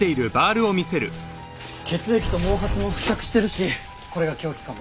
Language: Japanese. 血液と毛髪も付着してるしこれが凶器かも。